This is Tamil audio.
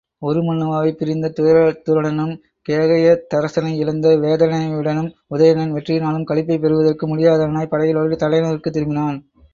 உருமண்ணுவாவைப் பிரிந்த துயரத்துடனும் கேகயத்தரசனை இழந்த வேதனையுடனும் உதயணன் வெற்றியினாலும் களிப்பைப் பெறுவதற்கு முடியாதவனாய்ப் படைகளோடு தலைநகருக்குத் திரும்பினான்.